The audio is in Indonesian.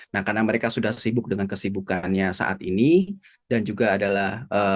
nah karena mereka sudah sibuk dengan kesibukannya saat ini dan juga adalah